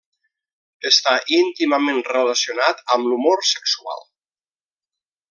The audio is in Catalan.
Està íntimament relacionat amb l'humor sexual.